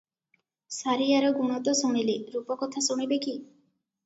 ସାରିଆର ଗୁଣ ତ ଶୁଣିଲେ, ରୂପ କଥା ଶୁଣିବେ କି?